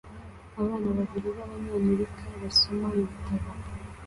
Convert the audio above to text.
Abana babiri b'Abanyamerika basoma ibitabo